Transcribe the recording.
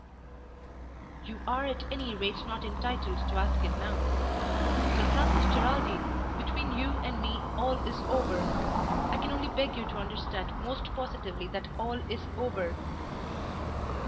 "You are at any rate not entitled to ask it now. Sir Francis Geraldine, between you and me all is over. I can only beg you to understand most positively that all is over."